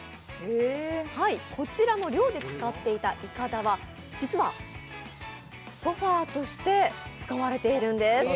こちらの漁で使っていたいかだは、実はソファーとして使われているんです。